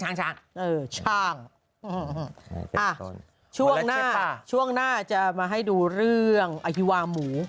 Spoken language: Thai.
เออช้างช่วงหน้าช่วงหน้าจะมาให้ดูเรื่องอภิวาหมู